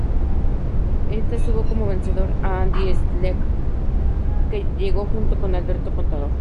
Ésta tuvo como vencedor a Andy Schleck, que llegó junto a Alberto Contador.